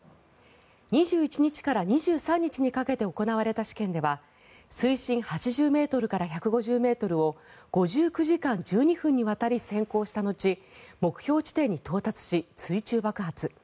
２１日から２３日にかけて行われた試験では水深８０ｍから１５０ｍを５９時間１２分にわたり潜航した後目標地点に到達し水中爆発。